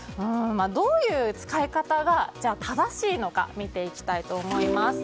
どういう使い方が正しいのか見ていきたいと思います。